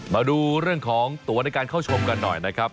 มาดูเรื่องของตัวในการเข้าชมกันหน่อยนะครับ